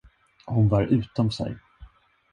Hon var utom sig.